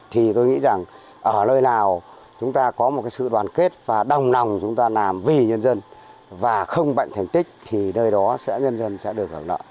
thì tôi nghĩ rằng ở nơi nào chúng ta có một sự đoàn kết và đồng lòng chúng ta làm vì nhân dân và không bệnh thành tích thì nơi đó sẽ nhân dân sẽ được hưởng lợi